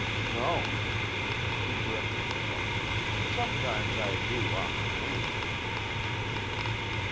"No." He corrected himself. "Sometimes I do on the range."